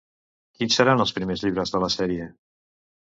Quins seran els primers llibres de la sèrie?